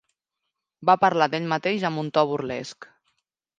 Va parlar d'ell mateix amb un to burlesc.